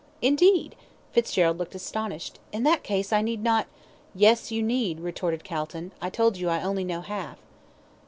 "Indeed!" Fitzgerald looked astonished. "In that case, I need not " "Yes, you need," retorted Calton. "I told you I only know half."